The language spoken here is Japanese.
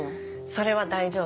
それは大丈夫。